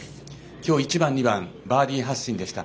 今日１番、２番バーディー発進でした。